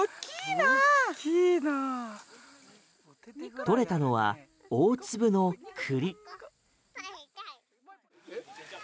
取れたのは大粒の栗。